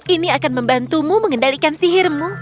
ini akan membantumu mengendalikan sihirmu